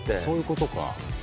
そういうことか。